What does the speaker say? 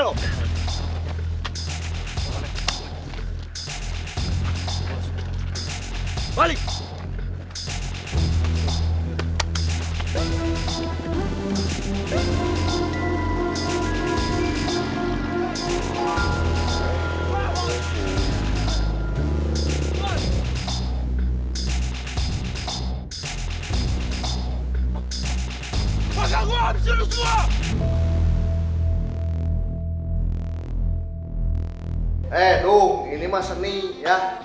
om dudung mau tanya